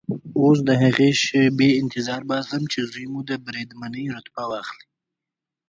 اوس د هغې شېبې انتظار باسم چې زوی مو د بریدمنۍ رتبه واخلي.